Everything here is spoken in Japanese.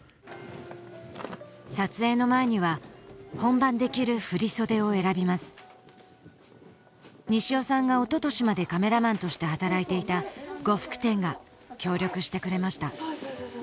撮影の前には本番で着る振り袖を選びます西尾さんがおととしまでカメラマンとして働いていた呉服店が協力してくれました